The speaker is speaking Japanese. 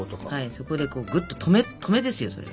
そこでぐっと止めですよそれは。